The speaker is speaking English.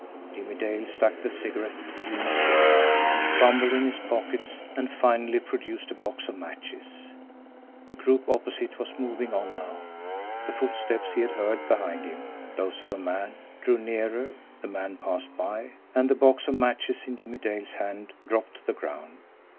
Jimmie Dale stuck the cigarette between his lips, fumbled in his pockets, and finally produced a box of matches. The group opposite was moving on now; the footsteps he had heard behind him, those of a man, drew nearer, the man passed by and the box of matches in Jimmie Dale's hand dropped to the ground.